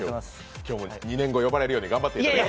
今日も２年後、呼ばれるように頑張ってください。